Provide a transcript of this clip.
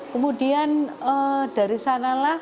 kemudian dari sana lah